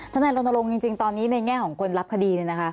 ท่านไหนร่วมตรงจริงตอนนี้ในแง่ของคนรับคดีนี่นะคะ